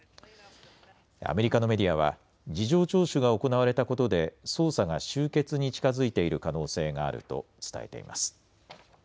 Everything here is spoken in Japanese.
アメリカのメディアは事情聴取が行われたことで捜査が終結に近づいている可能性があると伝えています。